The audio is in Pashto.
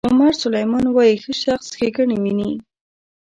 عمر سلیمان وایي ښه شخص ښېګڼې ویني.